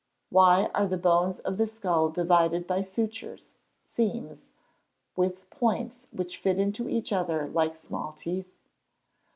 931. _Why are the bones of the skull divided by sutures (seams), with points which fit into each other like small teeth?